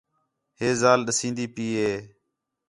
ہِے ذال ݙسین٘دی پئی ہِے